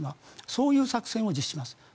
そういう作戦を実施します。